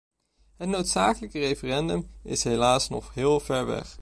Het noodzakelijke referendum is helaas nog heel ver weg.